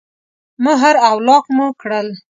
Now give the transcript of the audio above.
مهر او لاک مو کړل.